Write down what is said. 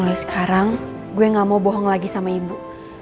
kalau sekarang gue gak mau bohong lagi sama ibu